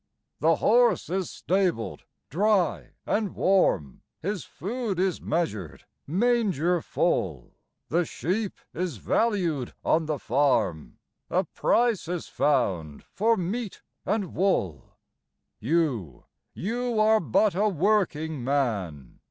The horse is stabled, dry and warm, His food is measured, manger full; The sheep is valued on the farm, A price is found for meat and wool. You you are but a working man!